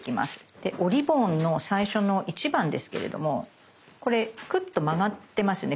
でおリボンの最初の１番ですけれどもこれくっと曲がってますよね。